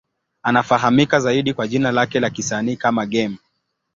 Anafahamika zaidi kwa jina lake la kisanii kama Game.